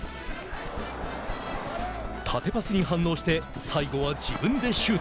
縦パスに反応して最後は自分でシュート。